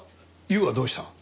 悠はどうした？